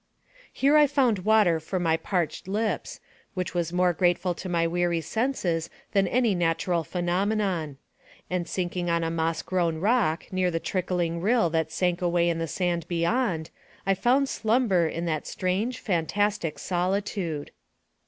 Here I found water for my parched lips, which was more grateful to my weary senses than any natural phenomenon ; and sinking on a moss grown rock, near the trickling rill that sank away in the sand beyond, I found slumber in that strange, fantastic solitude.